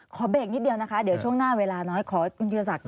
ขอเบรกนิดเดียวนะคะเดี๋ยวช่วงหน้าเวลาน้อยขอเพียงทีลอสตร์